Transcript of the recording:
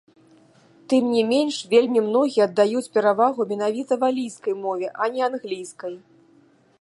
Тым не менш, вельмі многія аддаюць перавагу менавіта валійскай мове, а не англійскай.